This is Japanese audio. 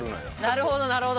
なるほどなるほど。